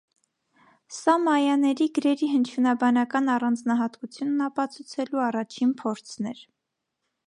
Սա մայաների գրերի հնչյունաբանական առանձնահատկությունն ապացուցելու առաջին փորձն էր։